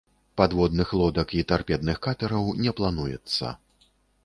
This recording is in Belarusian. Падводных лодак і тарпедных катэраў не плануецца.